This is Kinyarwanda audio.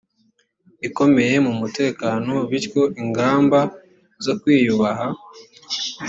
ikomeye mu mutekano bityo ingamba zo kwiyubaha